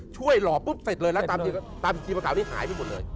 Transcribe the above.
ช่วยหล่อปุ๊บเสร็จเลยแล้วตามชีพขาวนี้หายไปหมดเลย